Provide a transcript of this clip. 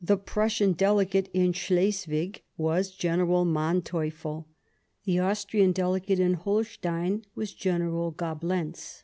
The Prussian Delegate in Slesvig was General Manteuffel ; the Austrian Delegate in Holstein was General Gablenz.